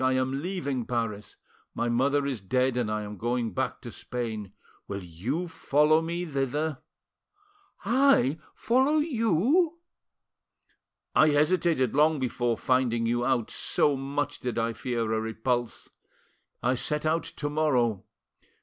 I am leaving Paris; my mother is dead, and I am going back to Spain. Will you follow me thither?" "I— follow you?" "I hesitated long before finding you out, so much did I fear a repulse. I set out to morrow.